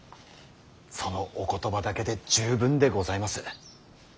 そのお言葉だけで十分でございます。